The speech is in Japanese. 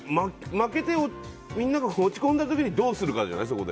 負けてみんなが落ち込んだ時にどうするかじゃない？